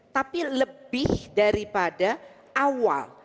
tapi lebih daripada awal